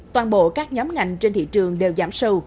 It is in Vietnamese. toàn bộ các nhóm ngành trên thị trường đều giảm sâu